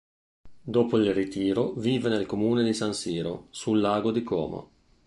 Dopo il ritiro vive nel comune di San Siro, sul lago di Como.